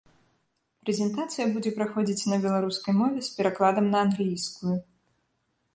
Прэзентацыя будзе праходзіць на беларускай мове з перакладам на англійскую.